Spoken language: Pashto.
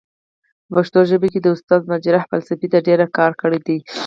په پښتو ژبه کې استاد مجرح فلسفې ته ډير کار کړی دی.